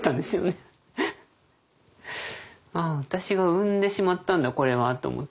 「ああ私が産んでしまったんだこれは」と思って。